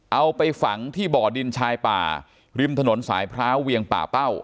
เอาไปฝังที่บ่อดินชายป่าริมถนนสายพร้าวเวียงป่าเป้า